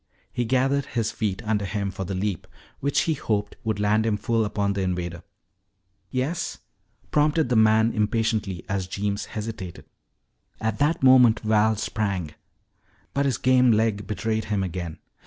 He gathered his feet under him for the leap which he hoped would land him full upon the invader. "Yes?" prompted the man impatiently as Jeems hesitated. At that moment Val sprang. But his game leg betrayed him again.